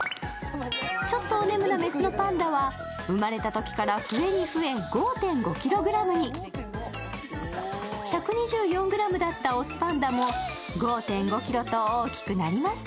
ちょっとおねむな雌のパンダは生まれたときから増えに増えて５ｋｇに１２４ｇだった雄パンダも５．５ｋｇと大きくなりました。